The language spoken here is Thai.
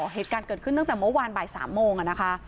เหตุการณ์เกิดขึ้นตั้งแต่เมื่อวานบ่าย๓โมงนะคะ